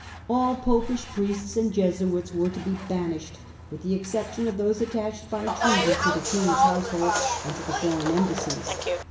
All Popish priests and Jesuits were 1671! to be banished, with the exception of those attached by treaty to the Queen's household and to the foreign embassies.